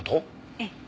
ええ。